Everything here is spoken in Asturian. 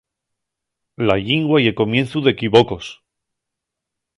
La llingua ye comienzu d'equivocos.